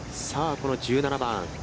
この１７番。